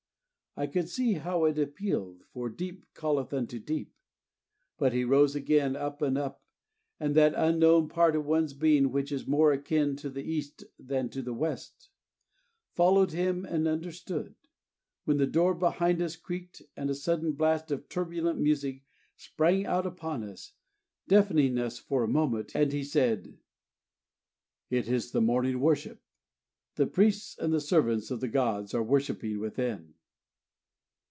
I could see how it appealed, for deep calleth unto deep; but he rose again up and up, and that unknown part of one's being which is more akin to the East than to the West, followed him and understood when the door behind us creaked, and a sudden blast of turbulent music sprang out upon us, deafening us for a moment, and he said, "It is the morning worship. The priests and the Servants of the gods are worshipping within."